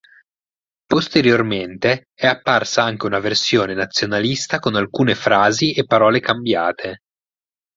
Posteriormente è apparsa anche una versione nazionalista con alcune frasi e parole cambiate.